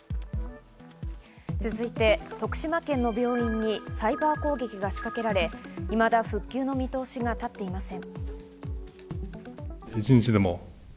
続いて徳島県の病院にサイバー攻撃が仕掛けられ、いまだ復旧の見通しが立っていません。